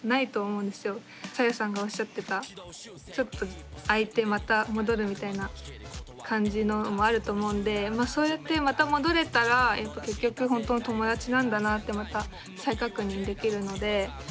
さゆさんがおっしゃってたちょっと空いてまた戻るみたいな感じのもあると思うんでそうやってまた戻れたらやっぱ結局本当の友達なんだなってまた再確認できるので。